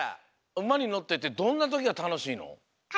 うまにのっててどんなときがたのしいの？